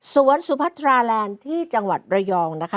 สุพัทราแลนด์ที่จังหวัดระยองนะคะ